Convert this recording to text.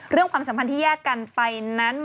ความสัมพันธ์ที่แยกกันไปนั้น